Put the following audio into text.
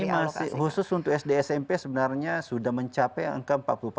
ini masih khusus untuk sd smp sebenarnya sudah mencapai angka empat puluh empat